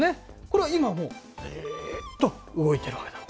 これは今もずっと動いてるわけだ。